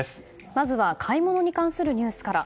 まずは買い物に関するニュースから。